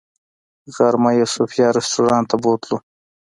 غرمه یې صوفیا رسټورانټ ته بوتلو.